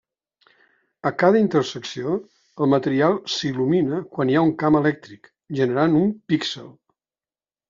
A cada intersecció, el material s'il·lumina quan hi ha camp elèctric, generant un píxel.